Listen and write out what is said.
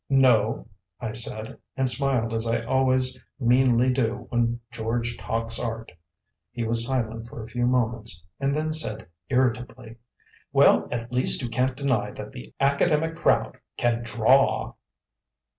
"No?" I said, and smiled as I always meanly do when George "talks art." He was silent for a few moments and then said irritably, "Well, at least you can't deny that the academic crowd can DRAW!"